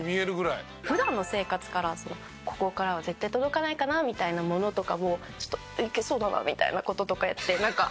普段の生活からここからは絶対届かないかなみたいなものとかもちょっといけそうだなみたいな事とかやって。